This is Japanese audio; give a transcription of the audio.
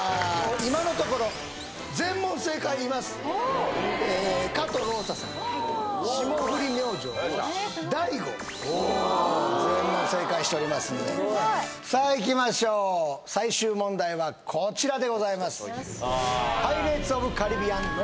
今のところはいよっしゃ全員が正解しておりますのですごいさあいきましょう最終問題はこちらでございます